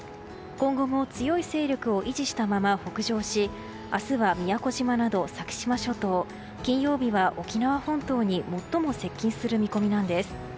今後も強い勢力を維持したまま北上し明日は、宮古島など先島諸島金曜日は沖縄本島に最も接近する見込みなんです。